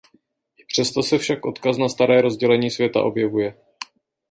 I přesto se však odkaz na staré rozdělení světa objevuje.